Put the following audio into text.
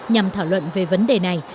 nhằm thảo luận về vấn đề này